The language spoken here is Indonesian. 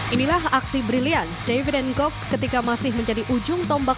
inilah aksi brilian david n'gok ketika masih menjadi ujung tombak